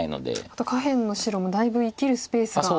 あと下辺の白もだいぶ生きるスペースが。